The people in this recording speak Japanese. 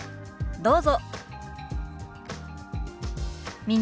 どうぞ。